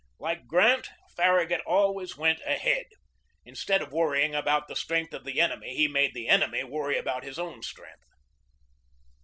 Like Grant, Farragut 74 GEORGE DEWEY always went ahead. Instead of worrying about the strength of the enemy, he made the enemy worry about his own strength.